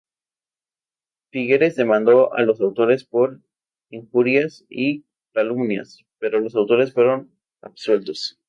Figueres demandó a los autores por injurias y calumnias, pero los autores fueron absueltos.